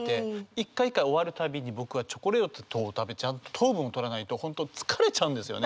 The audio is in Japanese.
一回一回終わるたびに僕はチョコレートを食べちゃんと糖分をとらないと本当疲れちゃうんですよね。